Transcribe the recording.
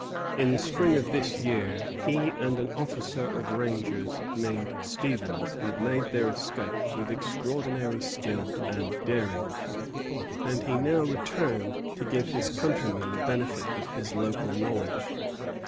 In the spring of this year he and an officer of rangers named Stevens had made their escape with extraordinary skill and daring; and he now returned to give his countrymen the benefit of his local knowledge.